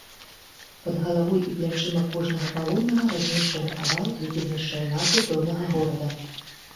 Пад галавой і плячыма кожнага палоннага размешчаны авал, які змяшчае назву пэўнага горада.